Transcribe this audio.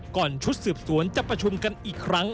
ชุดสืบสวนจะประชุมกันอีกครั้ง